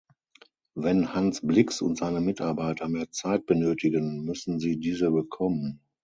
Wenn Hans Blix und seine Mitarbeiter mehr Zeit benötigen, müssen sie diese bekommen.